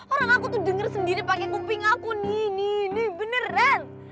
orang aku tuh denger sendiri pake kumping aku nih nih nih beneran